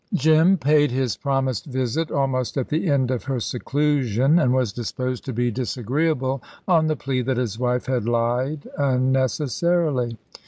Jim paid his promised visit almost at the end of her seclusion, and was disposed to be disagreeable on the plea that his wife had lied unnecessarily.